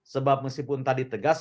sebab meskipun tadi tegas